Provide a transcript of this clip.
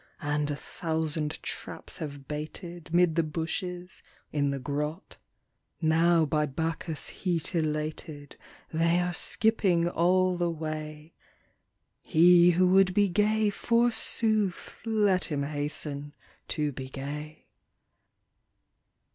And a thousand traps have baited Mid the bushes, in the grot ; Now by Bacchus* heat elated They are skipping all the way : He who would be gay, forsooth, Let him hasten to be gay.